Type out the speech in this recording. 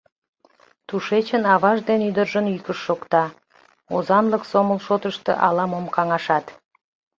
Тушечын аваж ден ӱдыржын йӱкышт шокта, озанлык сомыл шотышто ала-мом каҥашат.